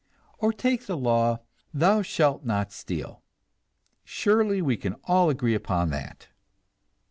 Or take the law, "Thou shalt not steal." Surely we can all agree upon that!